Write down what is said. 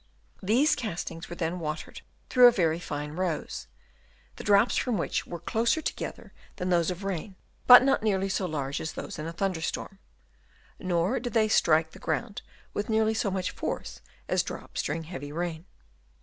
These castings were then watered through a very fine rose, the drops from which were closer together than those of rain, but not nearly so large as those in a thunder storm ; nor did they strike the ground with nearly so much force as drops during heavy rain.